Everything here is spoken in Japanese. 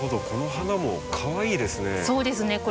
この花もかわいいですね。